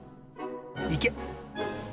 いけ！